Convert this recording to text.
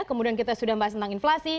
kemudian kita sudah bahas tentang inflasi